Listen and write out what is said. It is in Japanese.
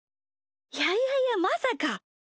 いやいやいやまさか。